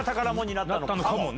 なったのかもね。